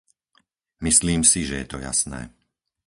Myslím si, že je to jasné.